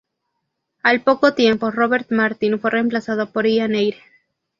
Al poco tiempo, Robert Martin fue reemplazado por Ian Eyre.